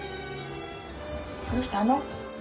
どうしたの？